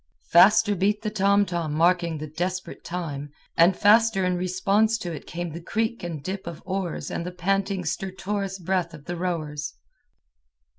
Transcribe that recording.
Faster beat the tomtom marking the desperate time, and faster in response to it came the creak and dip of oars and the panting, stertorous breathing of the rowers.